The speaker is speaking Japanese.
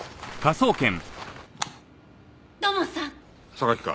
榊か。